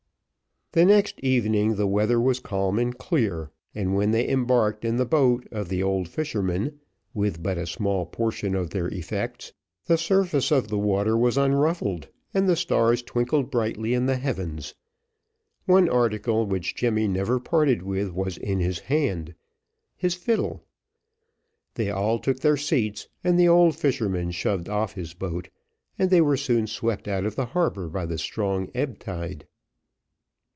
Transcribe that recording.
The next evening the weather was calm and clear, and when they embarked in the boat of the old fisherman, with but a small portion of their effects, the surface of the water was unruffled, and the stars twinkled brightly in the heavens; one article which Jemmy never parted with, was in his hand, his fiddle. They all took their seats, and the old fisherman shoved off his boat, and they were soon swept out of the harbour by the strong ebb tide.